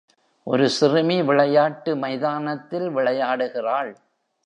ஒரு சிறுமி விளையாட்டு மைதானத்தில் விளையாடுகிறாள்